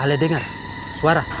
ali dengar suara